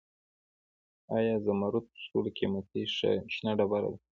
آیا زمرد تر ټولو قیمتي شنه ډبره ده؟